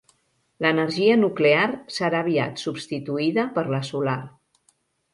L'energia nuclear serà aviat substituïda per la solar.